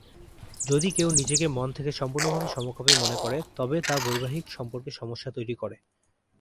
যদি কেও নিজেকে মন থেকে সম্পুর্ণভাবে সমকামী মনে করে, তবে তা বৈবাহিক সম্পর্কে সমস্যা তৈরী করে।